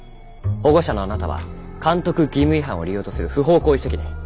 保護者のあなたは監督義務違反を理由とする不法行為責任。